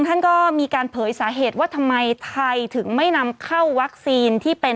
ท่านก็มีการเผยสาเหตุว่าทำไมไทยถึงไม่นำเข้าวัคซีนที่เป็น